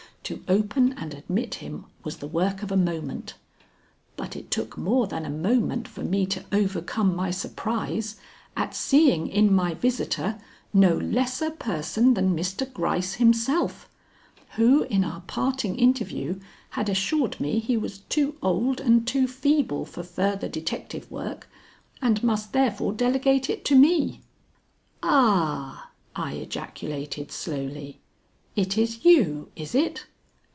To open and admit him was the work of a moment, but it took more than a moment for me to overcome my surprise at seeing in my visitor no lesser person than Mr. Gryce himself, who in our parting interview had assured me he was too old and too feeble for further detective work and must therefore delegate it to me. "Ah!" I ejaculated slowly. "It is you, is it?